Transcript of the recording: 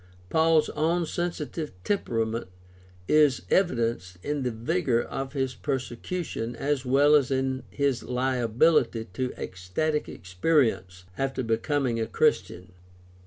Paul's own sensitive temperament is evidenced in the vigor of his persecution as well as in his liability to ecstatic experience after becoming a Christian.